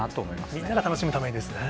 みんなが楽しむためにですね。